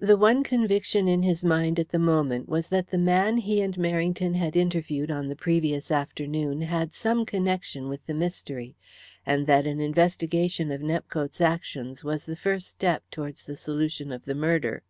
The one conviction in his mind at that moment was that the man he and Merrington had interviewed on the previous afternoon had some connection with the mystery, and that an investigation of Nepcote's actions was the first step towards the solution of the murder.